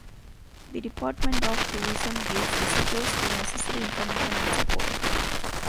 The Department of Tourism gives visitors the necessary information and support.